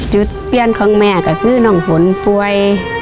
เปลี่ยนของแม่ก็คือน้องฝนป่วย